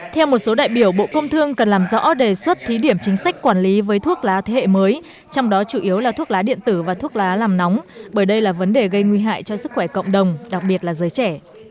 theo một số đại biểu bộ công thương cần làm rõ đề xuất thí điểm chính sách quản lý với thuốc lá thế hệ mới trong đó chủ yếu là thuốc lá điện tử và thuốc lá làm nóng bởi đây là vấn đề gây nguy hại cho sức khỏe cộng đồng đặc biệt là giới trẻ